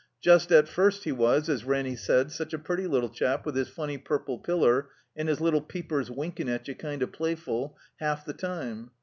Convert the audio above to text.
Just at first he was, as Ranny said, "such a pretty little chap with his funny purple pillar, and his little peepers winkin' at you kind of playful, half the time."